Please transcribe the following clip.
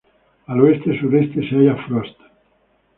Al oeste-suroeste se halla Frost.